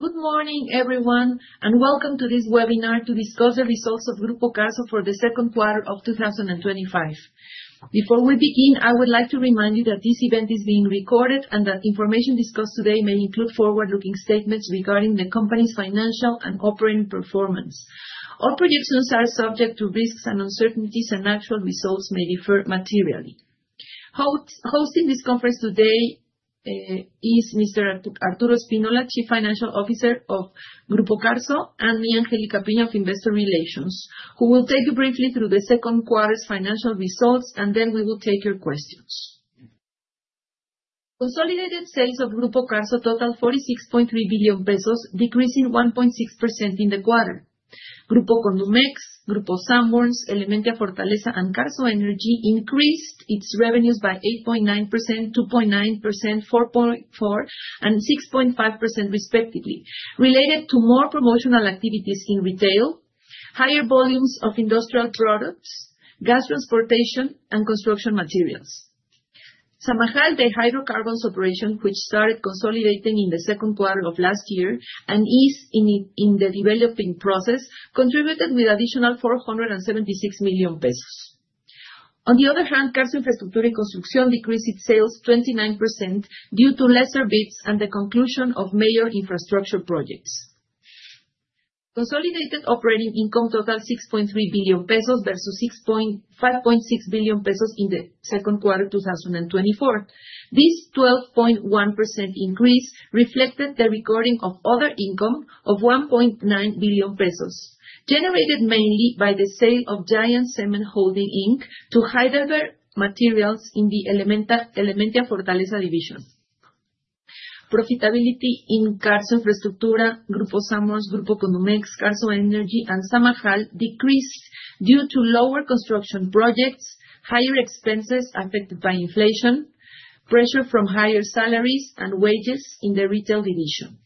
Good morning, everyone, and welcome to this webinar to discuss the results of Grupo Carso for the Second Quarter of 2025. Before we begin, I would like to remind you that this event is being recorded and that information discussed today may include forward-looking statements regarding the company's financial and operating performance. All projections are subject to risks and uncertainties, and actual results may differ materially. Hosting this conference today is Mr. Arturo Spínola García, Chief Financial Officer of Grupo Carso, and me, Angelica Pina, of Investor Relations, who will take you briefly through the second quarter's financial results, and then we will take your questions. Consolidated sales of Grupo Carso totaled 46.3 billion pesos, decreasing 1.6% in the quarter. Grupo Condumex, Grupo Sanborns, Elementia Fortaleza, and Carso Energy increased its revenues by 8.9%, 2.9%, 4.4%, and 6.5% respectively, related to more promotional activities in retail, higher volumes of industrial products, gas transportation, and construction materials. Samajal Hydrocarbons Operations, which started consolidating in the second quarter of last year and is in the developing process, contributed with an additional 476 million pesos. On the other hand, Carso Infraestructura y Construcción decreased its sales 29% due to lesser bids and the conclusion of major infrastructure projects. Consolidated operating income totaled 6.3 billion pesos versus 5.6 billion pesos in the second quarter of 2024. This 12.1% increase reflected the recording of other income of 1.9 billion pesos, generated mainly by the sale of Giant Cement Holding to Heidelberg Materials in the Elementia Fortaleza division. Profitability in Carso Infraestructura, Grupo Sanborns, Grupo Condumex, Carso Energy, and Samajal decreased due to lower construction projects, higher expenses affected by inflation, pressure from higher salaries and wages in the retail division.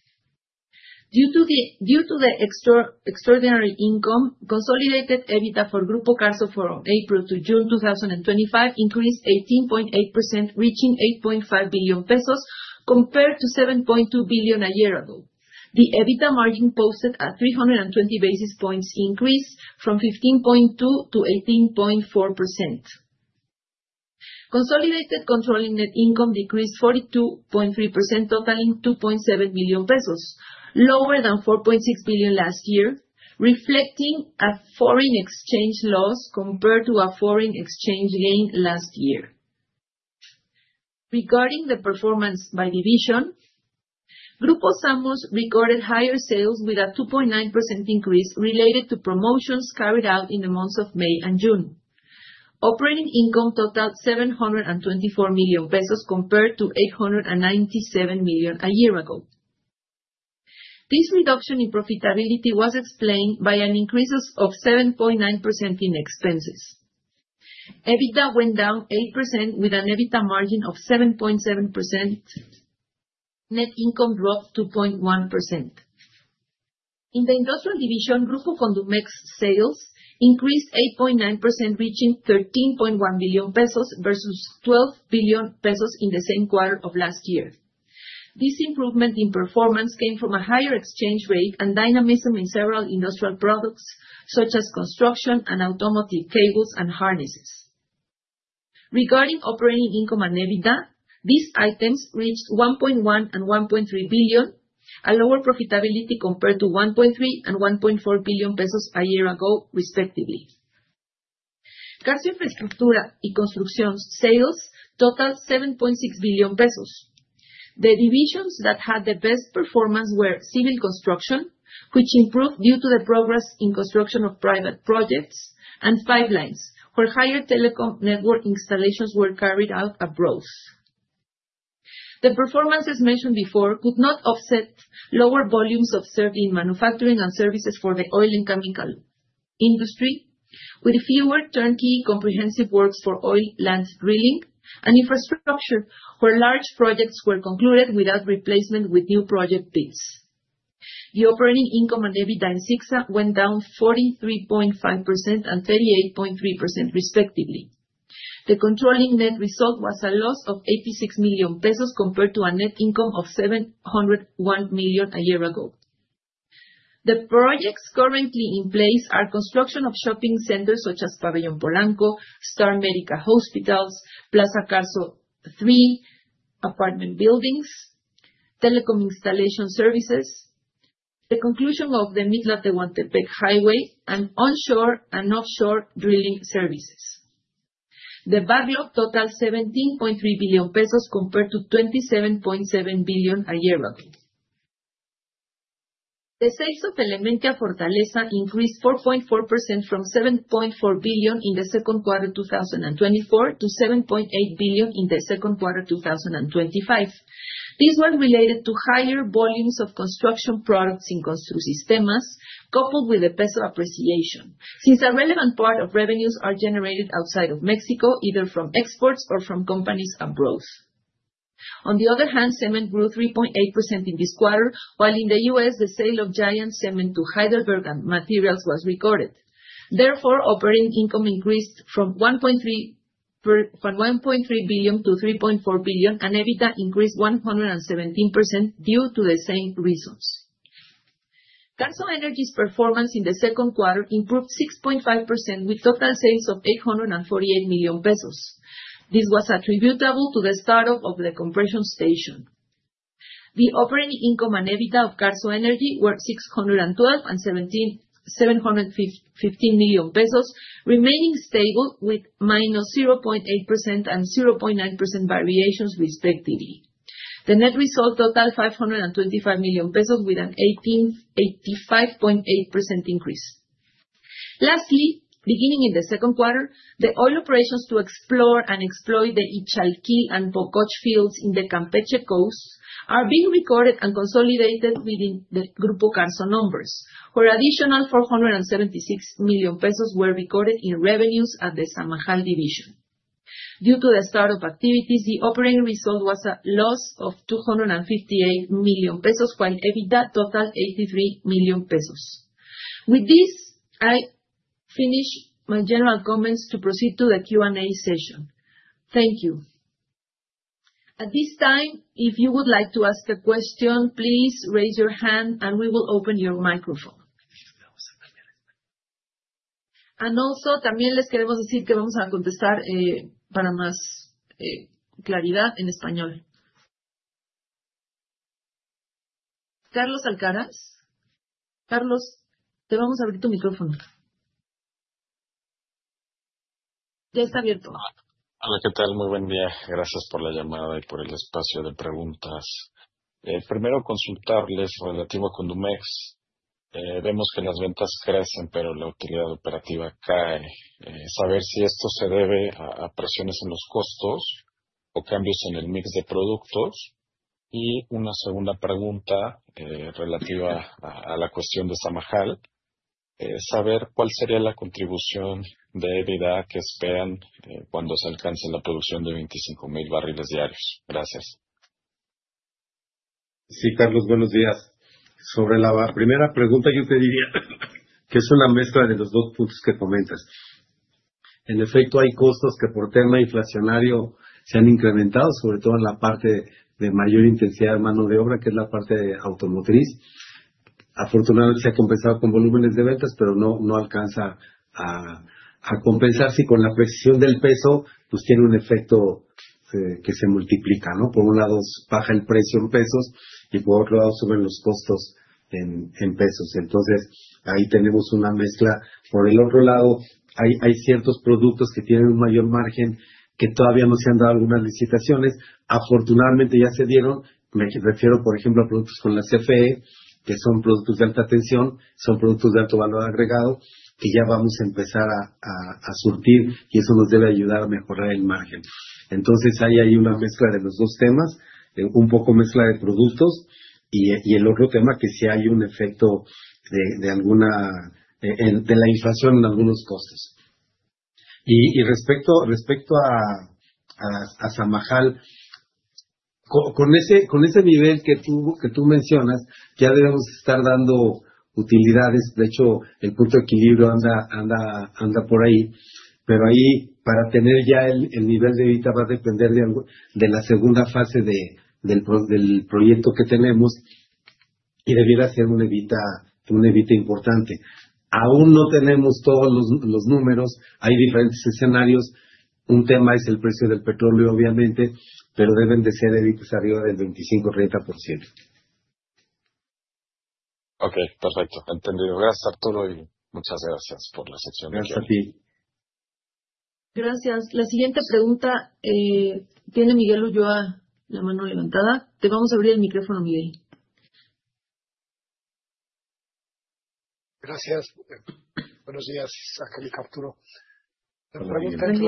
Due to the extraordinary income, consolidated EBITDA for Grupo Carso from April to June 2025 increased 18.8%, reaching 8.5 billion pesos, compared to 7.2 billion a year ago. The EBITDA margin posted a 320 basis points increase from 15.2% to 18.4%. Consolidated controlling net income decreased 42.3%, totaling 2.7 billion pesos, lower than 4.6 billion last year, reflecting a foreign exchange loss compared to a foreign exchange gain last year. Regarding the performance by division, Grupo Sanborns recorded higher sales with a 2.9% increase related to promotions carried out in the months of May and June. Operating income totaled 724 million pesos, compared to 897 million a year ago. This reduction in profitability was explained by an increase of 7.9% in expenses. EBITDA went down 8%, with an EBITDA margin of 7.7%. Net income dropped 2.1%. In the industrial division, Grupo Condumex sales increased 8.9%, reaching 13.1 billion pesos versus 12 billion pesos in the same quarter of last year. This improvement in performance came from a higher exchange rate and dynamism in several industrial products such as construction and automotive cables and harnesses. Regarding operating income and EBITDA, these items reached 1.1 and 1.3 billion, a lower profitability compared to 1.3 and 1.4 billion pesos a year ago, respectively. Carso Infraestructura y Construcción's sales totaled 7.6 billion pesos. The divisions that had the best performance were Civil Construction, which improved due to the progress in construction of private projects, and Pipelines, where higher telecom network installations were carried out abroad. The performances mentioned before could not offset lower volumes observed in manufacturing and services for the oil and chemical industry, with fewer turnkey comprehensive works for oil land drilling and infrastructure where large projects were concluded without replacement with new project bids. The operating income and EBITDA in CICSA went down 43.5% and 38.3%, respectively. The controlling net result was a loss of 86 million pesos compared to a net income of 701 million a year ago. The projects currently in place are construction of shopping centers such as Pabellón Polanco, Star Médica Hospitals, Plaza Carso 3, apartment buildings, telecom installation services, the conclusion of the Mitla-Tehuantepec Highway, and onshore and offshore drilling services. The backlog totaled 17.3 billion pesos compared to 27.7 billion a year ago. The sales of Elementia Fortaleza increased 4.4% from 7.4 billion in the second quarter of 2024 to 7.8 billion in the second quarter of 2025. These were related to higher volumes of construction products in ConstruSistemas, coupled with the peso appreciation, since a relevant part of revenues are generated outside of Mexico, either from exports or from companies abroad. On the other hand, cement grew 3.8% in this quarter, while in the U.S., the sale of Giant Cement to Heidelberg Materials was recorded. Therefore, operating income increased from 1.3 billion to 3.4 billion, and EBITDA increased 117% due to the same reasons. Carso Energy's performance in the second quarter improved 6.5%, with total sales of 848 million pesos. This was attributable to the startup of the compression station. The operating income and EBITDA of Carso Energy were 612 million and 715 million pesos, remaining stable with minus 0.8% and 0.9% variations, respectively. The net result totaled 525 million pesos, with an 85.8% increase. Lastly, beginning in the second quarter, the oil operations to explore and exploit the Ixalquil and Pocoche fields in the Campeche Coast are being recorded and consolidated within the Grupo Carso numbers, where additional 476 million pesos were recorded in revenues at the Samajal division. Due to the startup activities, the operating result was a loss of 258 million pesos, while EBITDA totaled 83 million pesos. With this, I finish my general comments to proceed to the Q&A session. Thank you. At this time, if you would like to ask a question, please raise your hand and we will open your microphone. Also, también les queremos decir que vamos a contestar para más claridad en español. Carlos Alcaraz. Carlos, te vamos a abrir tu micrófono. Ya está abierto. Hola, ¿qué tal? Muy buen día. Gracias por la llamada y por el espacio de preguntas. Primero, consultarles relativo a Condumex. Vemos que las ventas crecen, pero la utilidad operativa cae. Saber si esto se debe a presiones en los costos o cambios en el mix de productos. Y una segunda pregunta. Relativa a la cuestión de Samajal. Saber cuál sería la contribución de EBITDA que esperan cuando se alcance la producción de 25,000 barriles diarios. Gracias. Sí, Carlos, buenos días. Sobre la primera pregunta, yo te diría que es una mezcla de los dos puntos que comentas. En efecto, hay costos que por tema inflacionario se han incrementado, sobre todo en la parte de mayor intensidad de mano de obra, que es la parte automotriz. Afortunadamente, se ha compensado con volúmenes de ventas, pero no alcanza a compensar. Sí, con la precisión del peso tiene un efecto que se multiplica. Por un lado, baja el precio en pesos y, por otro lado, suben los costos en pesos. Entonces, ahí tenemos una mezcla. Por el otro lado, hay ciertos productos que tienen un mayor margen, que todavía no se han dado algunas licitaciones. Afortunadamente, ya se dieron. Me refiero, por ejemplo, a productos con la CFE, que son productos de alta tensión, son productos de alto valor agregado, que ya vamos a empezar a surtir, y eso nos debe ayudar a mejorar el margen. Entonces, hay ahí una mezcla de los dos temas, un poco mezcla de productos, y el otro tema que sí hay un efecto de la inflación en algunos costos. Y respecto a Samajal, con ese nivel que tú mencionas, ya debemos estar dando utilidades. De hecho, el punto de equilibrio anda por ahí, pero ahí para tener ya el nivel de EBITDA va a depender de la segunda fase del proyecto que tenemos, y debiera ser un EBITDA importante. Aún no tenemos todos los números. Hay diferentes escenarios. Un tema es el precio del petróleo, obviamente, pero deben de ser EBITDAs arriba del 25%-30%. Okay, perfecto. Entendido. Gracias, Arturo, y muchas gracias por la sección de hoy. Gracias a ti. Gracias. La siguiente pregunta. Tiene Miguel Ulloa la mano levantada. Te vamos a abrir el micrófono, Miguel. Gracias. Buenos días, Angelica, Arturo. La pregunta en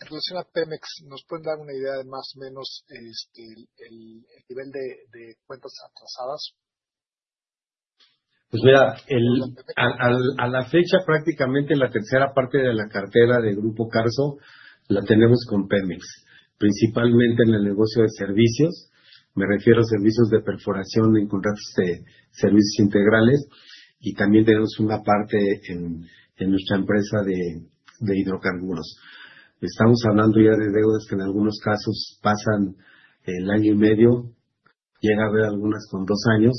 relación a Pemex, ¿nos pueden dar una idea de más o menos el nivel de cuentas atrasadas? Mira. A la fecha, prácticamente la tercera parte de la cartera de Grupo Carso la tenemos con Pemex, principalmente en el negocio de servicios. Me refiero a servicios de perforación en contratos de servicios integrales, y también tenemos una parte en nuestra empresa de hidrocarburos. Estamos hablando ya de deudas que en algunos casos pasan el año y medio, llega a haber algunas con dos años.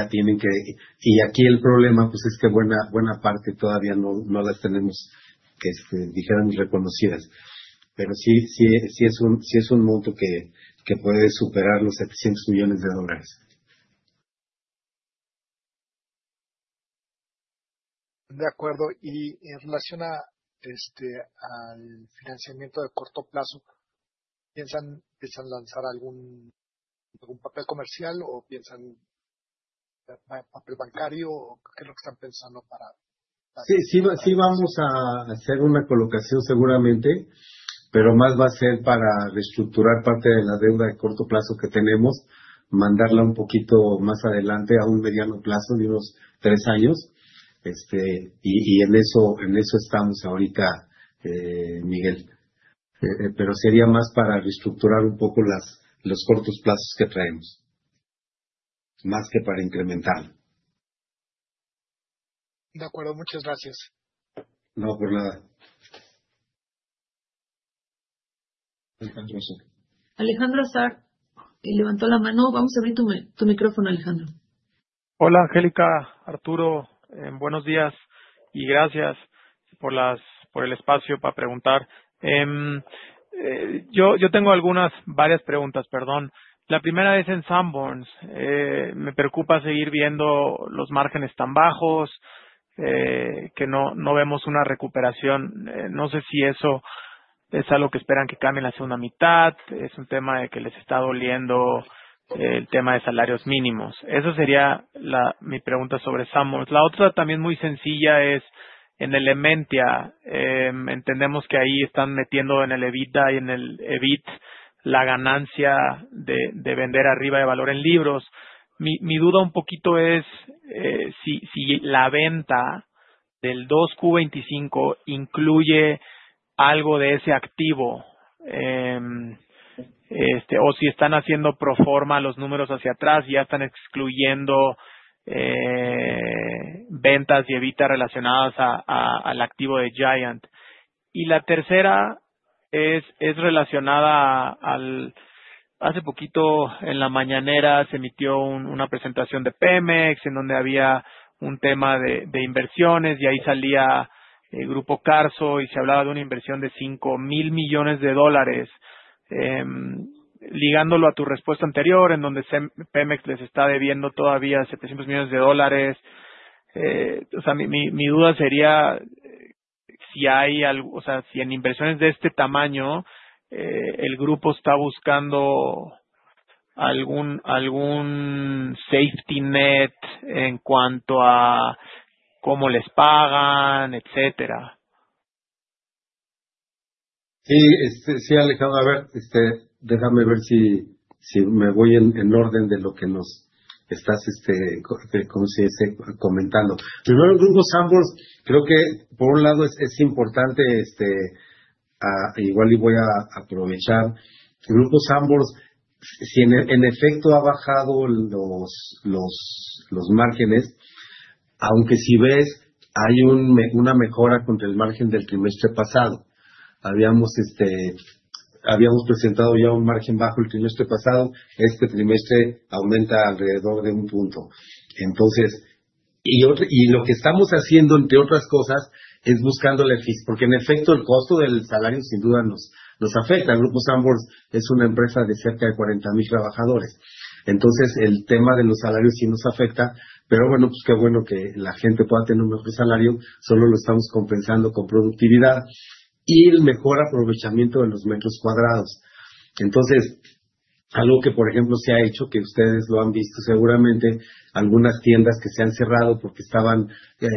Aquí el problema es que buena parte todavía no las tenemos, dijéramos, reconocidas. Pero sí es un monto que puede superar los $700 millones. De acuerdo. Y en relación al financiamiento de corto plazo, ¿piensan lanzar algún papel comercial o piensan papel bancario? ¿Qué es lo que están pensando para...? Sí, vamos a hacer una colocación, seguramente, pero más va a ser para reestructurar parte de la deuda de corto plazo que tenemos, mandarla un poquito más adelante a un mediano plazo de unos tres años. Y en eso estamos ahorita. Miguel. Pero sería más para reestructurar un poco los cortos plazos que traemos. Más que para incrementarlo. De acuerdo. Muchas gracias. No, por nada. Alejandro Azar. Levantó la mano. Vamos a abrir tu micrófono, Alejandro. Hola, Angelica, Arturo. Buenos días y gracias por el espacio para preguntar. Yo tengo varias preguntas, perdón. La primera es en Sanborns. Me preocupa seguir viendo los márgenes tan bajos. Que no vemos una recuperación. No sé si eso es algo que esperan que cambie en la segunda mitad. Es un tema que les está doliendo. El tema de salarios mínimos. Esa sería mi pregunta sobre Sanborns. La otra, también muy sencilla, es en Elementia. Entendemos que ahí están metiendo en el EBITDA y en el EBIT la ganancia de vender arriba de valor en libros. Mi duda un poquito es si la venta del 2Q 2025 incluye algo de ese activo o si están haciendo proforma los números hacia atrás y ya están excluyendo ventas y EBITDA relacionadas al activo de Giant. Y la tercera es relacionada. Hace poquito, en la mañanera, se emitió una presentación de Pemex, en donde había un tema de inversiones, y ahí salía Grupo Carso y se hablaba de una inversión de $5,000 millones. Ligándolo a tu respuesta anterior, en donde Pemex les está debiendo todavía $700 millones. O sea, mi duda sería si hay, o sea, si en inversiones de este tamaño, el grupo está buscando algún safety net en cuanto a cómo les pagan, etcétera. Sí, Alejandro. A ver, déjame ver si. Me voy en orden de lo que nos estás comentando. Primero, el Grupo Sanborns, creo que por un lado es importante. Igual y voy a aprovechar. Grupo Sanborns, sí en efecto ha bajado los márgenes. Aunque si ves hay una mejora contra el margen del trimestre pasado. Habíamos presentado ya un margen bajo el trimestre pasado, este trimestre aumenta alrededor de un punto. Y lo que estamos haciendo, entre otras cosas, es buscando la eficacia, porque en efecto el costo del salario sin duda nos afecta. Grupo Sanborns es una empresa de cerca de 40,000 trabajadores. Entonces, el tema de los salarios sí nos afecta, pero qué bueno que la gente pueda tener un mejor salario, solo lo estamos compensando con productividad y el mejor aprovechamiento de los metros cuadrados. Entonces, algo que, por ejemplo, se ha hecho, que ustedes lo han visto seguramente, algunas tiendas que se han cerrado porque estaban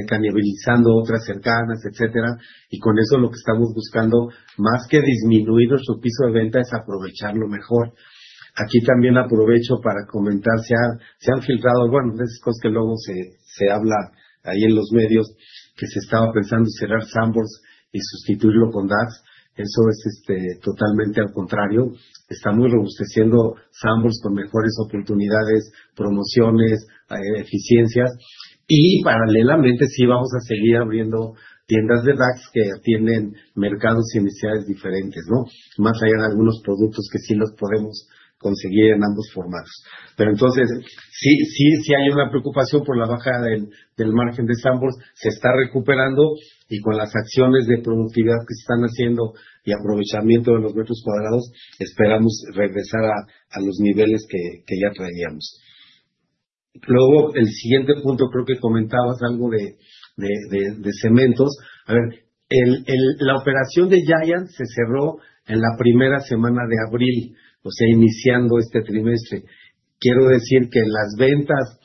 canibalizando otras cercanas, etcétera, y con eso lo que estamos buscando, más que disminuir nuestro piso de venta, es aprovecharlo mejor. Aquí también aprovecho para comentar, se han filtrado, bueno, de esas cosas que luego se habla ahí en los medios, que se estaba pensando cerrar Sanborns y sustituirlo con DAX, eso es totalmente al contrario. Está muy robusteciendo Sanborns con mejores oportunidades, promociones, eficiencias, y paralelamente sí vamos a seguir abriendo tiendas de DAX que atienden mercados y necesidades diferentes, más allá de algunos productos que sí los podemos conseguir en ambos formatos. Pero entonces, sí hay una preocupación por la baja del margen de Sanborns, se está recuperando, y con las acciones de productividad que se están haciendo y aprovechamiento de los metros cuadrados, esperamos regresar a los niveles que ya traíamos. Luego, el siguiente punto creo que comentabas algo de cementos. A ver, la operación de Giant se cerró en la primera semana de abril, o sea, iniciando este trimestre. Quiero decir que las ventas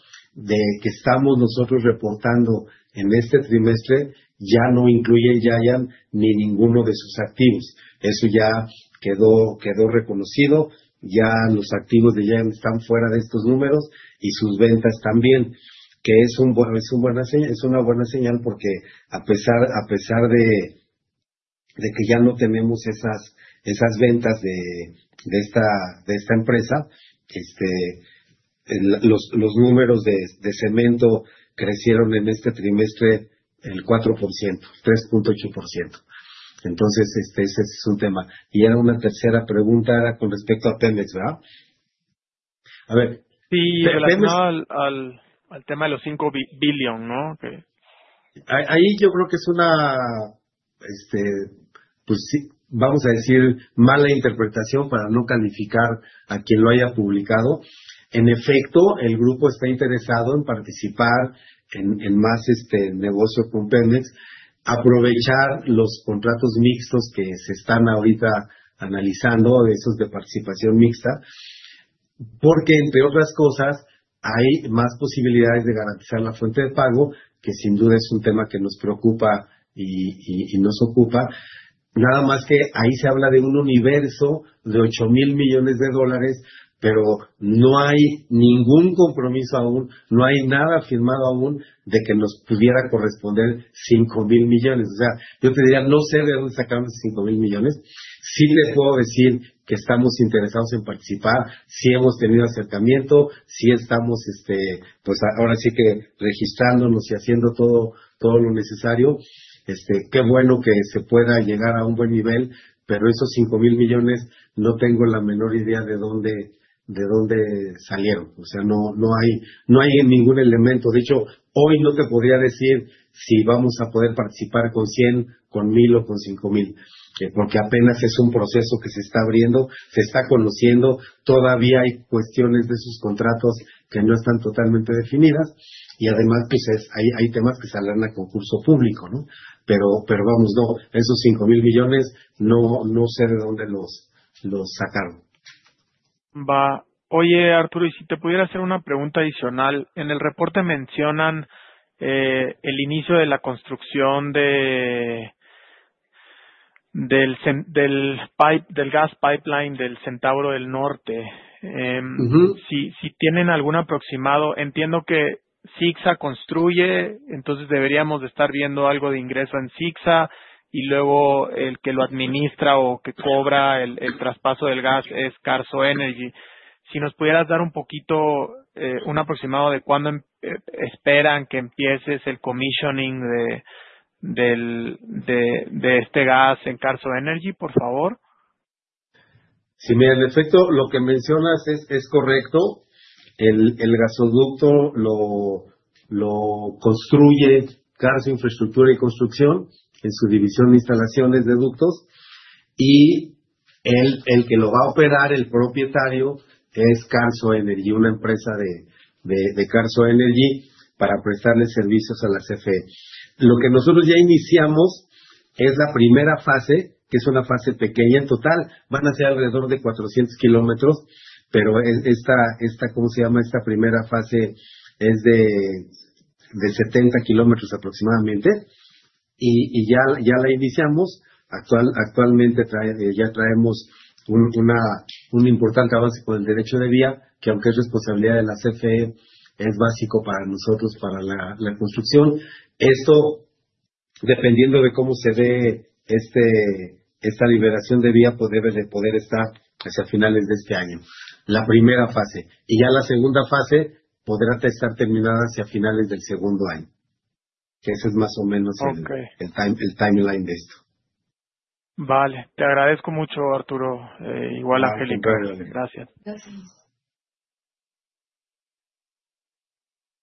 que estamos nosotros reportando en este trimestre ya no incluyen Giant ni ninguno de sus activos. Eso ya quedó reconocido, ya los activos de Giant están fuera de estos números y sus ventas también, que es una buena señal, porque a pesar de que ya no tenemos esas ventas de esta empresa, los números de cemento crecieron en este trimestre el 4%, 3.8%. Entonces, ese es un tema. Y era una tercera pregunta, era con respecto a Pemex, ¿verdad? A ver. Sí, en relación al tema de los $5 billion. Ahí yo creo que es una. Vamos a decir, mala interpretación para no calificar a quien lo haya publicado. En efecto, el grupo está interesado en participar en más negocio con Pemex, aprovechar los contratos mixtos que se están ahorita analizando, esos de participación mixta. Porque, entre otras cosas, hay más posibilidades de garantizar la fuente de pago, que sin duda es un tema que nos preocupa y nos ocupa. Nada más que ahí se habla de un universo de $8,000 millones, pero no hay ningún compromiso aún, no hay nada firmado aún de que nos pudiera corresponder $5,000 millones. O sea, yo te diría, no sé de dónde sacaron esos $5,000 millones. Sí les puedo decir que estamos interesados en participar, sí hemos tenido acercamiento, sí estamos. Ahora sí que registrándonos y haciendo todo lo necesario. Qué bueno que se pueda llegar a un buen nivel, pero esos $5,000 millones no tengo la menor idea de dónde. Salieron. O sea, no hay ningún elemento. De hecho, hoy no te podría decir si vamos a poder participar con 100, con 1,000 o con 5,000, porque apenas es un proceso que se está abriendo, se está conociendo, todavía hay cuestiones de esos contratos que no están totalmente definidas, y además hay temas que saldrán a concurso público. Pero vamos, esos $5,000 millones no sé de dónde los sacaron. Oye, Arturo, y si te pudiera hacer una pregunta adicional. En el reporte mencionan el inicio de la construcción del gas pipeline del Centauro del Norte. Si tienen algún aproximado, entiendo que CICSA construye, entonces deberíamos de estar viendo algo de ingreso en CICSA, y luego el que lo administra o que cobra el traspaso del gas es Carso Energy. Si nos pudieras dar un poquito, un aproximado de cuándo esperan que empiece el commissioning de este gas en Carso Energy, por favor. Sí, mira, en efecto, lo que mencionas es correcto. El gasoducto lo construye Carso Infraestructura y Construcción, en su división de instalaciones, de ductos, y el que lo va a operar, el propietario, es Carso Energy, una empresa de Carso Energy, para prestarle servicios a la CFE. Lo que nosotros ya iniciamos es la primera fase, que es una fase pequeña. En total, van a ser alrededor de 400 km, pero esta primera fase es de 70 km aproximadamente. Y ya la iniciamos. Actualmente ya traemos un importante avance con el derecho de vía, que aunque es responsabilidad de la CFE, es básico para nosotros, para la construcción. Esto, dependiendo de cómo se dé esta liberación de vía, debe de poder estar hacia finales de este año, la primera fase. Y ya la segunda fase podrá estar terminada hacia finales del segundo año. Que ese es más o menos el timeline de esto. Vale. Te agradezco mucho, Arturo. Igual, Angélica. Gracias. Gracias.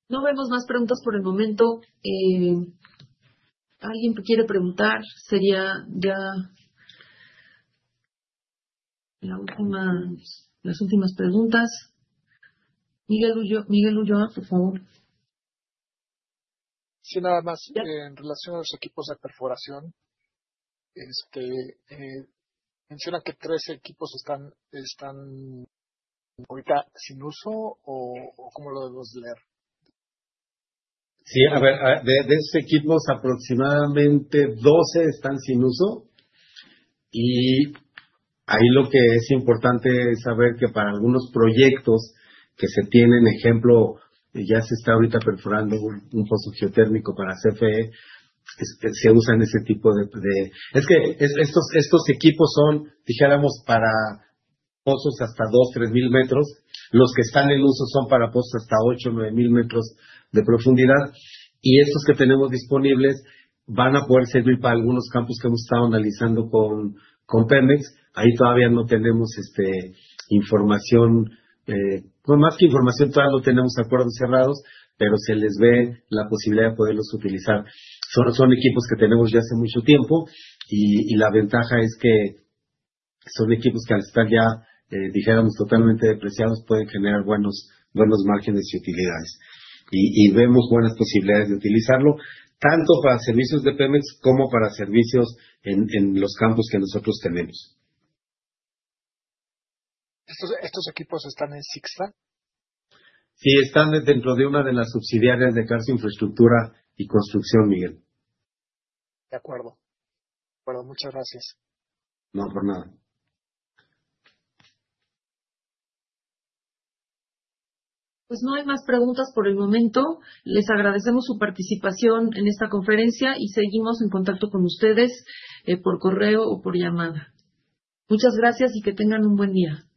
No vemos más preguntas por el momento. ¿Alguien que quiere preguntar? Sería ya. Las últimas preguntas. Miguel Ulloa, por favor. Sí, nada más en relación a los equipos de perforación. Mencionan que tres equipos están ahorita sin uso, o cómo lo debemos leer? Sí, a ver, de ese equipo aproximadamente 12 están sin uso. Ahí lo que es importante es saber que para algunos proyectos que se tienen, ejemplo, ya se está ahorita perforando un pozo geotérmico para CFE. Se usan ese tipo de... Es que estos equipos son, dijéramos, para pozos hasta 2,000-3,000 metros. Los que están en uso son para pozos hasta 8,000-9,000 metros de profundidad. Y estos que tenemos disponibles van a poder servir para algunos campos que hemos estado analizando con Pemex. Ahí todavía no tenemos información. Más que información, todavía no tenemos acuerdos cerrados, pero se les ve la posibilidad de poderlos utilizar. Son equipos que tenemos ya hace mucho tiempo, y la ventaja es que son equipos que al estar ya, dijéramos, totalmente depreciados, pueden generar buenos márgenes y utilidades. Vemos buenas posibilidades de utilizarlo, tanto para servicios de Pemex como para servicios en los campos que nosotros tenemos. ¿Estos equipos están en CICSA? Sí, están dentro de una de las subsidiarias de Carso Infraestructura y Construcción, Miguel. De acuerdo. Muchas gracias. No, por nada. No hay más preguntas por el momento. Les agradecemos su participación en esta conferencia y seguimos en contacto con ustedes por correo o por llamada. Muchas gracias y que tengan un buen día.